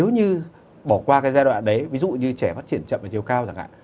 như bỏ qua cái giai đoạn đấy ví dụ như trẻ phát triển chậm ở chiều cao thẳng ạ